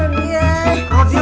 rodia mak rodia